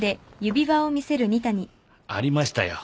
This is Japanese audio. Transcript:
ありましたよ